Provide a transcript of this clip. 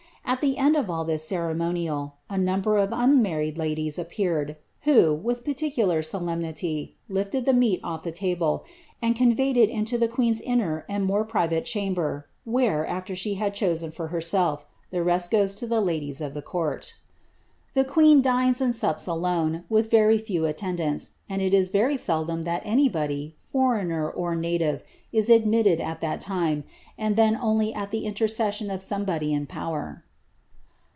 Al the end of all ihi^ ceiemo nl:il. a number of unmarried ladies appeared, who, with panii'i'I^ •niemniiy. lifted ihe meat otfthe lablc. and conveyed it into theqnetn's Miner and more private chamber, where, after she had chosen for hersill'. the rest goes to ihe ladies of ihe court." "The queen dines and sups alone, with very few aUendants; SDii i' ELIZABETH. 169 13 very seldom that anybody, foreigner or native, is admitted at that time, ftnd then onfy at the intercession of somebody in power.